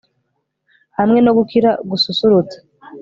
hamwe no gukira gususurutse